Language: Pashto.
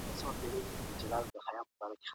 نوي اقتصادي نظام د صنعت لخوا رامنځته سو.